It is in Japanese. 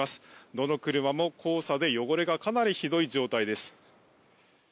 どの車も、黄砂で汚れがかなりひどい状態です。